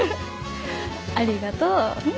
ありがとう。